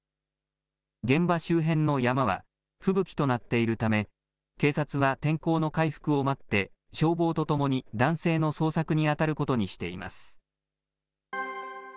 現場周辺の山は、吹雪となっているため、警察は天候の回復を待って、消防とともに男性の捜索に当たることにしています。